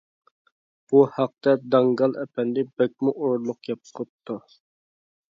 بۇ ھەقتە «داڭگال» ئەپەندى بەكمۇ ئورۇنلۇق گەپ قىپتۇ.